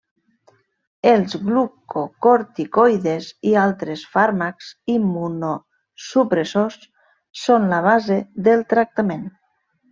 Els glucocorticoides i altres fàrmacs immunosupressors són la base del tractament.